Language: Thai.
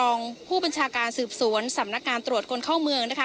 รองผู้บัญชาการสืบสวนสำนักงานตรวจคนเข้าเมืองนะคะ